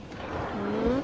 うん？